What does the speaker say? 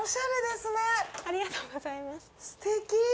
すてき。